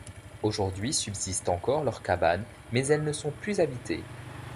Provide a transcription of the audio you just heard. Aujourd'hui subsistent encore leurs cabanes mais elles ne sont plus habitées.